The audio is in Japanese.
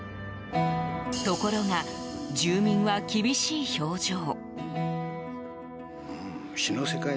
ところが、住民は厳しい表情。